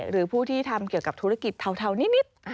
หรือผู้ที่ทำเกี่ยวกับธุรกิจเทานิด